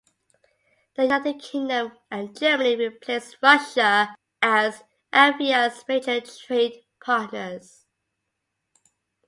The United Kingdom and Germany replaced Russia as Latvia's major trade partners.